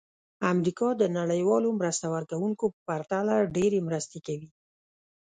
امریکا د نړیوالو مرسته ورکوونکو په پرتله ډېرې مرستې کوي.